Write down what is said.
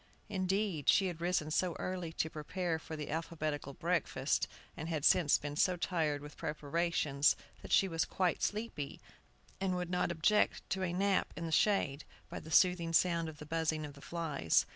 Indeed, she had risen so early to prepare for the alphabetical breakfast, and had since been so tired with preparations, that she was quite sleepy, and would not object to a nape in the shade, by the soothing sound of the buzzing of the flies.